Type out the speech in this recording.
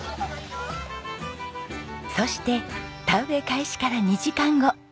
そして田植え開始から２時間後。